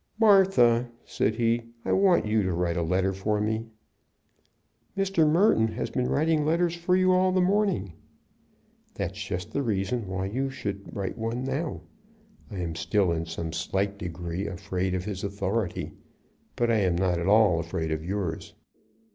"Martha," said he, "I want you to write a letter for me." "Mr. Merton has been writing letters for you all the morning." "That's just the reason why you should write one now. I am still in some slight degree afraid of his authority, but I am not at all afraid of yours."